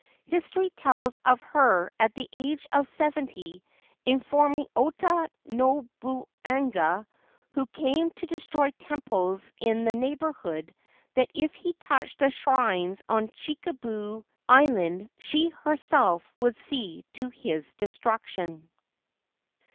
History tells of her at the age of seventy inform ing Ota Nobunaga, who came to destroy temples in the neighbourhood, that if he touched the shrines on Chikubu Island she herself would see to his destruction.